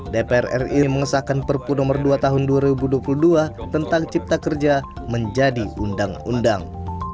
dpr ri mengesahkan perpu nomor dua tahun dua ribu dua puluh dua tentang cipta kerja menjadi undang undang